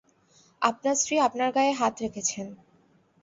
আপনার স্ত্রী আপনার গায়ে হাত রেখেছেন।